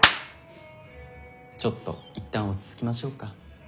ちょっといったん落ち着きましょうか。